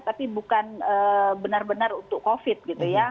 tapi bukan benar benar untuk covid gitu ya